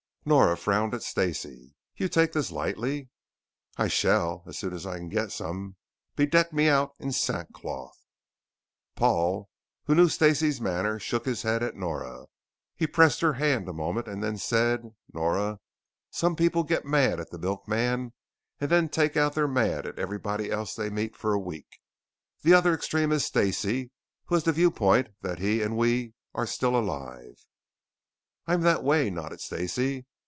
Nora frowned at Stacey. "You take this lightly." "I shall as soon as I can get some bedeck me out in sackcloth." Paul, who knew Stacey's manner, shook his head at Nora. He pressed her hand a moment and then said, "Nora, some people get mad at the milkman and then take out their mad at everybody else they meet for a week. The other extreme is Stacey, who has the viewpoint that he and we are still alive." "I'm that way," nodded Stacey.